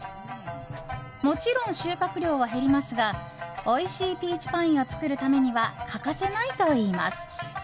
もちろん収穫量は減りますがおいしいピーチパインを作るためには欠かせないといいます。